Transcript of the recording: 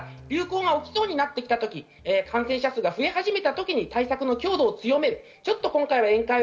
流行が起きそうになってきた時、感染者数が増え始めたときに対策の強度を強める。